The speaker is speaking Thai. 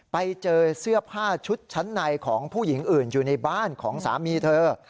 ไปเจอเสื้อผ้าชุดชั้นในของผู้หญิงอื่นอยู่ในบ้านของสามีเธอ